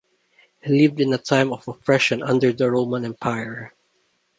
He lived in a time of oppression under the Roman Empire.